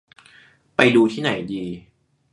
ไปดูที่ไหนดี